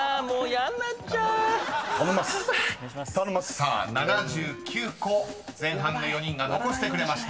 ［さあ７９個前半の４人が残してくれました］